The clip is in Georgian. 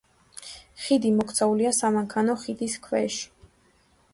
ხიდი მოქცეულია სამანქანო ხიდის ქვეშ.